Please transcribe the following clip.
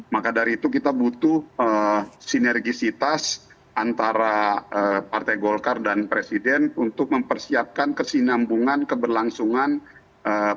maka dari itu kita butuh sinergisitas antara partai golkar dan presiden untuk mempersiapkan kesinambungan keberlangsungan pemerintah